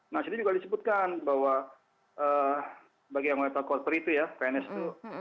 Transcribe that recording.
nah disitu juga disebutkan bahwa bagi yang melihat kolferi itu ya pns itu